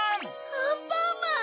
アンパンマン！